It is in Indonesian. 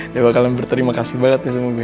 dia bakalan berterima kasih banget nih sama gue